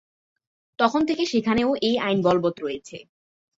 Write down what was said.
তখন থেকে সেখানেও এই আইন বলবৎ রয়েছে।